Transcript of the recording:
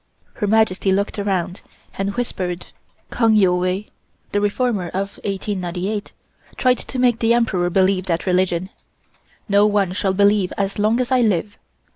Her Majesty looked around and whispered: "Kang Yue Wai (the reformer in 1898) tried to make the Emperor believe that religion. No one shall believe as long as I live.